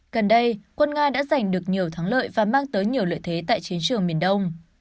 gần đây quân nga đã giành được nhiều thắng lợi và mang tới nhiều lợi thế tại chiến trường miền đông